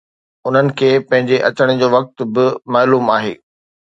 انهن کي پنهنجي اچڻ جو وقت به معلوم آهي